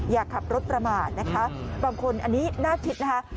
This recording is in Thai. อย่าขับรถประมาทนะคะบางคนอันนี้น่าคิดนะคะ